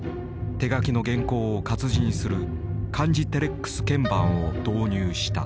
手書きの原稿を活字にする「漢字テレックス鍵盤」を導入した。